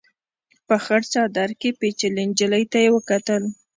په خړ څادر کې پيچلې نجلۍ ته يې وکتل.